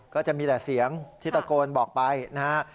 ก็จะมีแต่เสียงที่ตะโกนบอกไปนะฮะ